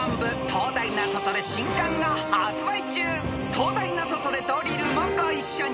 ［『東大ナゾトレドリル』もご一緒に］